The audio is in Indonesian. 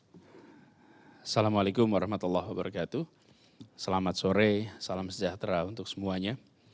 assalamualaikum warahmatullahi wabarakatuh selamat sore salam sejahtera untuk semuanya